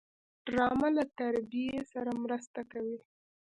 ډرامه له تربیې سره مرسته کوي